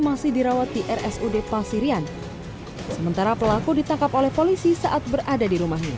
masih dirawat di rsud pasirian sementara pelaku ditangkap oleh polisi saat berada di rumahnya